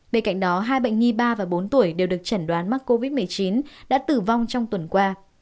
bên cạnh đó hai bệnh nhi ba và bốn tuổi đều được chẩn đoán mắc covid một mươi chín đã tử vong trong tuần qua